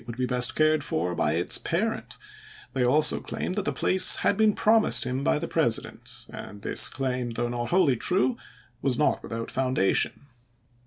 would be best cared for by its parent; they also claimed that the place had been promised him by the President, and this claim, though not wholly true, was not without foundation.